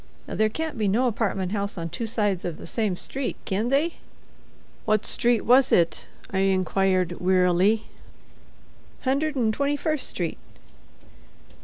Now there can't be no apartment house on two sides of the same street, kin they?" "What street was it?" I inquired, wearily. "Hundred 'n' twenty first street."